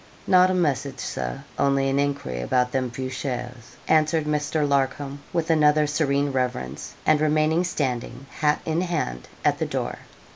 'Not a message, Sir; only an enquiry about them few shares,' answered Mr. Larcom, with another serene reverence, and remaining standing, hat in hand, at the door.